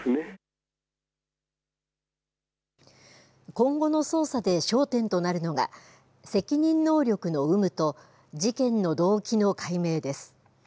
今後の捜査で焦点となるのが、責任能力の有無と、事件の動機の解明です。